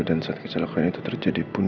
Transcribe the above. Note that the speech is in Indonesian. dan saat kecelakaan itu terjadi pun